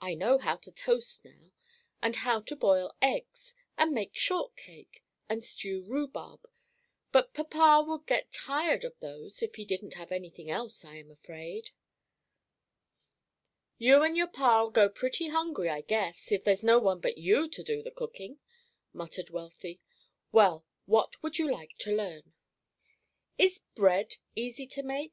I know how to toast now, and how to boil eggs, and make shortcake, and stew rhubarb, but papa would get tired of those if he didn't have any thing else, I am afraid." "You and your Pa'll go pretty hungry, I guess, if there's no one but you to do the cooking," muttered Wealthy. "Well, what would you like to learn?" "Is bread easy to make?